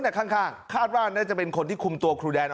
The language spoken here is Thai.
คือตอนนี้ไอ้ชายนี่ใช่ไหมคือต้นเรื่อง